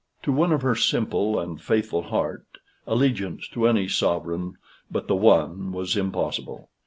To one of her simple and faithful heart, allegiance to any sovereign but the one was impossible.